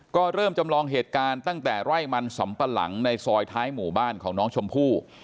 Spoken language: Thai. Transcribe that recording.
ก็เริ่มจำลองเหตุการณ์ตั้งแต่ไร่มันสำปะหลังในซอยท้ายหมู่บ้านของน้องชมพู่